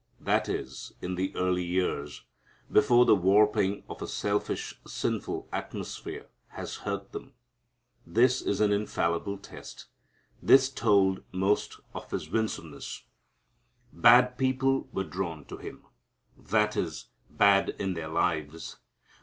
That is, in the early years, before the warping of a selfish, sinful atmosphere has hurt them. This is an infallible test. This told most His winsomeness. Bad people were drawn to Him. That is, bad in their lives.